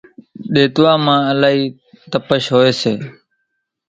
ۮيتوا مان الائي تپش ھوئي سي